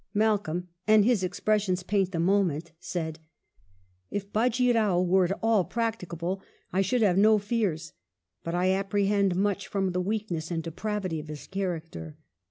68 WELLINGTON chap. Malcolm, and his expressions paint the moment, said, " If Bajee Kao were at all practicable, I should have no fears, but I apprehend much from the weakness and depravity of his character."